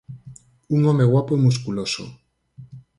Un home guapo e musculoso.